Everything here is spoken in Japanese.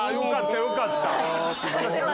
あよかったよかった。